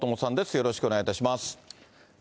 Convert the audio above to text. よろしくお願いします。